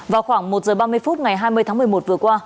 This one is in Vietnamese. vào khoảng một h ba mươi phút ngày hai mươi tháng một mươi một vừa qua